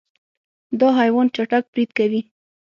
دا حیوان چټک برید کوي.